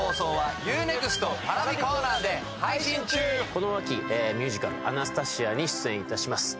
この秋ミュージカル「アナスタシア」に出演いたします